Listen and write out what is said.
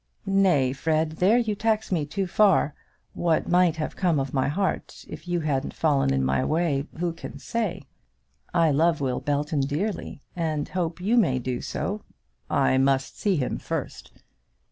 "Nay, Fred; there you tax me too far. What might have come of my heart if you hadn't fallen in my way, who can say? I love Will Belton dearly, and hope that you may do so " "I must see him first."